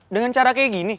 dengan cara kayak gini